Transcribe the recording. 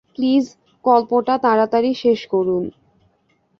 Please, গল্পটা তাড়াতাড়ি শেষ করুন।